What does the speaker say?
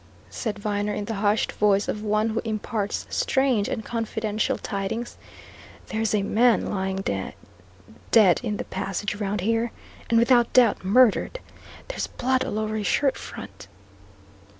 said Viner in the hushed voice of one who imparts strange and confidential tidings. "There's a man lying dead in the passage round here. And without doubt murdered! There's blood all over his shirt front."